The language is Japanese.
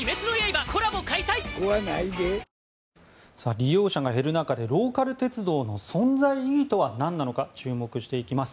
利用者が減る中でローカル鉄道の存在意義とは何なのか注目していきます。